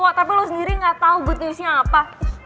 wah tapi lo sendiri nggak tau good newsnya apa